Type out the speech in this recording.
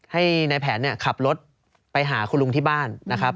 ให้นายแผนขับรถไปหาคุณลุงที่บ้านนะครับ